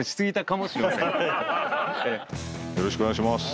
よろしくお願いします。